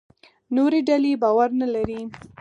نورې ډلې باور نه لري.